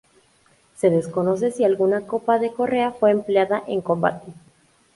Se desconoce si alguna copa de correa fue empleada en combate.